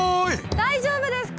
大丈夫ですか？